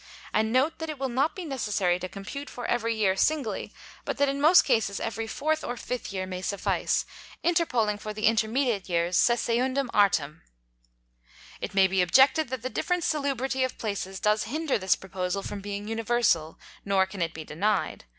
And note, that it will not be necessary to compute for every Year singly; but that in most Cases every 4th or 5th Year may suffice, interpoling for the intermediate Years seceundum artem. It may be objected, that the different Salubrity of Places does hinder this Proposal from being universal; nor can it be denied.